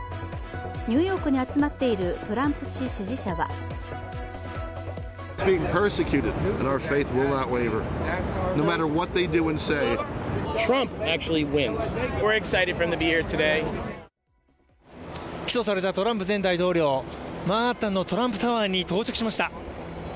ニューヨークに集まっているトランプ氏支持者は起訴されたトランプ前大統領、マンハッタンのトランプタワーに到着しました。